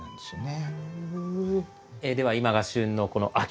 では今が旬のこの秋